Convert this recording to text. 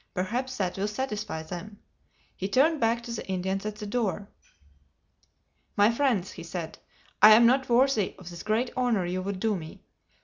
Perhaps that will satisfy them." He turned back to the Indians at the door. "My friends," he said, "I am not worthy of this great honor you would do me.